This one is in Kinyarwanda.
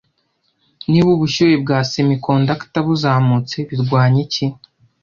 Niba ubushyuhe bwa semiconductor buzamutse, birwanya iki